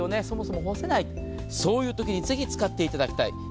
そもそも干せない、そういうときにぜひ使っていただきたい。